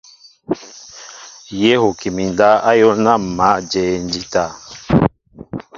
Yé huki mi ndáw áyól ná ḿ mǎl a jɛɛ ndíta.